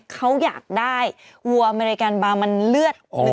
เขาอยากได้วัวอเมริกันบามันเลือด